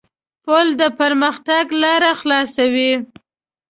پُل د پرمختګ لاره خلاصوي.